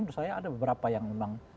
menurut saya ada beberapa yang memang